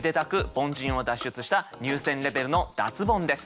凡人を脱出した入選レベルの脱ボンです。